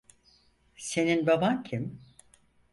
Senin baban kim?